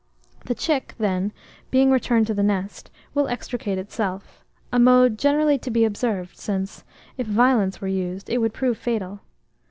The chick, then, being returned to the nest, will extricate itself, a mode generally to be observed, since, if violence were used, it would prove fatal.